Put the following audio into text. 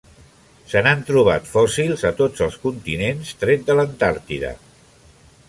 Se n'han trobat fòssils a tots els continents tret de l'Antàrtida.